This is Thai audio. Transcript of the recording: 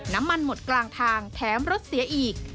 น้ำมันหมดกลางทางแถมรถเสียอีก